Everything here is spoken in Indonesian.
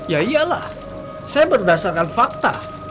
ya iyalah saya berdasarkan fakta